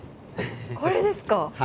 これですか！